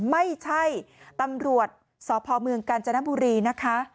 ไม่ใช่ตำรวจสพเมืองกาญจนบุรีนะคะ